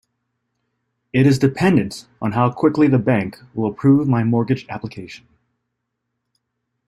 It is dependent on how quickly the bank will approve my mortgage application.